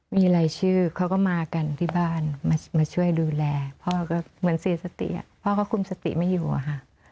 มีรายชื่อเขาก็มากันที่บ้านมาช่วยดูแลพ่อก็เหมือนเสียสติพ่อก็คุมสติไม่อยู่อะค่ะ